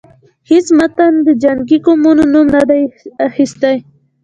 هیڅ متن د جنګی قومونو نوم نه دی اخیستی.